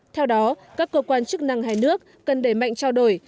theo đó các cơ quan chức năng hai nước cần đẩy mạnh trao đổi